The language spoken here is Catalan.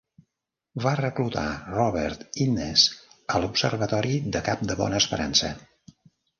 Va reclutar Robert Innes a l'Observatori de Cap de Bona Esperança.